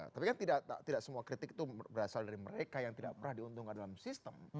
tapi kan tidak semua kritik itu berasal dari mereka yang tidak pernah diuntungkan dalam sistem